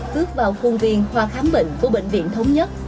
cước vào khuôn viên hoa khám bệnh của bệnh viện thống nhất